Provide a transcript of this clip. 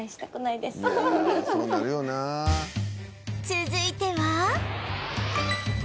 続いては